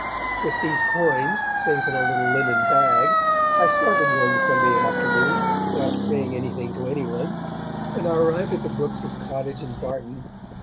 With these coins safe in a little linen bag, I started one Sunday afternoon, without saying anything to anyone, and I arrived at the Brookses' cottage in Barton.